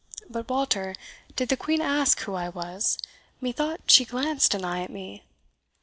But, Walter, did the Queen ask who I was? methought she glanced an eye at me."